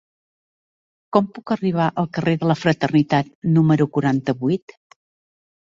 Com puc arribar al carrer de la Fraternitat número quaranta-vuit?